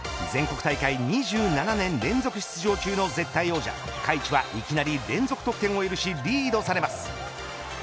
全国大会２７年連続出場中の絶対王者開智は、いきなり連続得点を許しリードされます。